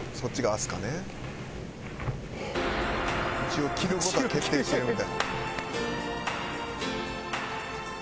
一応着る事は決定してるみたい。